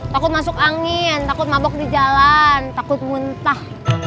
takut masuk angin takut mabok di jalan takut muntah